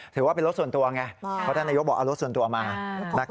ถือว่าเป็นรถส่วนตัวไงเพราะท่านนายกบอกเอารถส่วนตัวมา